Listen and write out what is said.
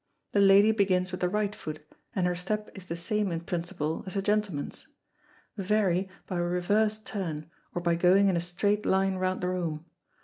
The lady begins with the right foot, and her step is the same in principle as the gentleman's. Vary, by a reverse turn; or by going in a straight line round the room.